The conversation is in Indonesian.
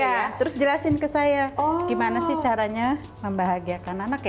iya terus jelasin ke saya gimana sih caranya membahagiakan anak ya